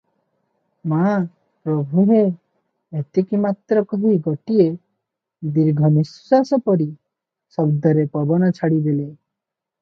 ମା ପ୍ରଭୁହେ"- ଏତିକି ମାତ୍ର କହି ଗୋଟିଏ ଦୀର୍ଘନିଶ୍ୱାସ ପରି ଶବ୍ଦରେ ପବନ ଛାଡ଼ିଦେଲେ ।